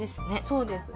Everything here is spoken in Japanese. そうです。